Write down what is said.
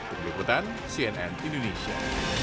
pengikutan cnn indonesia